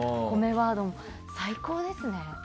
ワード最高ですね。